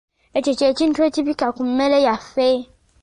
Ekyokye kintu ekibikka ku mmere yaffe.